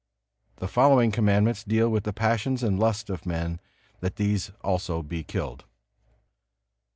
The following Commandments deal with the passions and lust of men, that these also be killed.